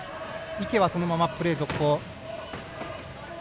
池はそのままプレー続行。